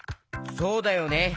そうだよね。